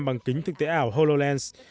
bằng kính thực tế ảo hololens